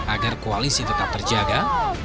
agar koalisi tetap terjaga